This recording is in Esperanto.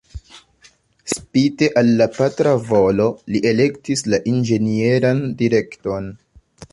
Spite al la patra volo, li elektis la inĝenieran direkton.